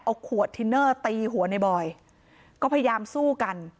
เอาขวดทินเนอร์ตีหัวในบอยก็พยายามสู้กัน